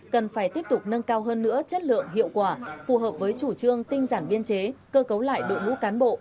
cần phải tiếp tục nâng cao hơn nữa chất lượng hiệu quả phù hợp với chủ trương tinh giản biên chế cơ cấu lại đội ngũ cán bộ